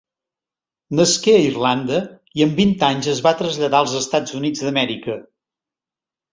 Nasqué a Irlanda i amb vint anys es va traslladar als Estats Units d'Amèrica.